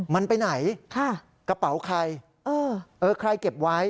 มันไปไหนกระเป๋าใครใครเก็บไว้